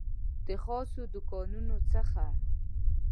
د خاصو دوکانونو څخه